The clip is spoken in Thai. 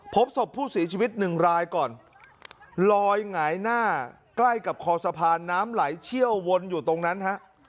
พบศพผู้เสียชีวิตหนึ่งรายก่อนลอยหงายหน้าใกล้กับคอสะพานน้ำไหลเชี่ยววนอยู่ตรงนั้นฮะ